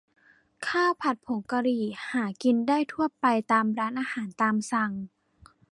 ข้าวผัดผงกะหรี่ หากินได้ทั่วไปตามร้านอาหารตามสั่ง